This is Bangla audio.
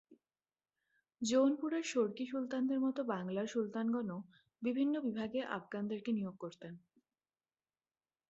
জৌনপুরের শর্কী সুলতানদের মতো বাংলার সুলতানগণও বিভিন্ন বিভাগে আফগানদেরকে নিয়োগ করতেন।